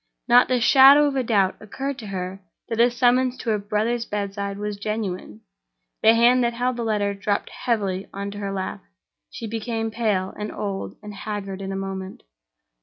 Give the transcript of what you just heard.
Not the shadow of a doubt occurred to her that the summons to her brother's bedside was genuine. The hand that held the letter dropped heavily into her lap; she became pale, and old, and haggard in a moment.